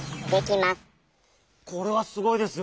これはすごいですよ。